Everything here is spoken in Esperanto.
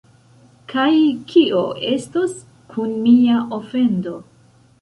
Kaj kio estos kun mia ofendo?